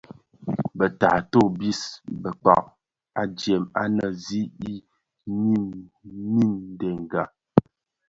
Bë taato bis bekpag adyèm annë zi i niň niñdènga.